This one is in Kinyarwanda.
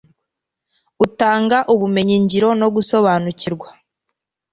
Utanga ubumenyi ngiro no gusobanukirwa